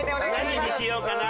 何にしようかな？